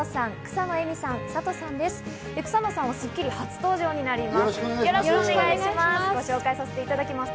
草野さんは『スッキリ』初登場になります。